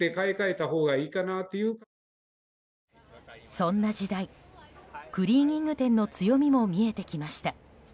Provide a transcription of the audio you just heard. そんな時代、クリーニング店の強みも見えてきました。